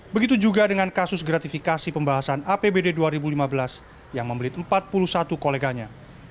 begitu juga dengan kasus gratifikasi pembahasan apbd dua ribu lima belas yang membelit empat puluh satu koleganya